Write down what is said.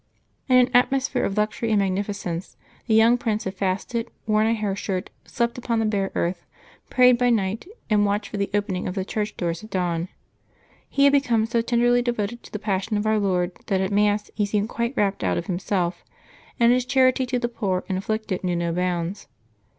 In an atmosphere of luxury and magnificence the young prince had fasted, worn a hair shirt, slept upon the bare earth, prayed by night, and watched for the open ing of the church doors at dawn. He had become so ten derly devoted to the Passion of Our Lord that at Mass he seemed quite rapt out of himself, and his charity to the poor and afflicted knew no bounds.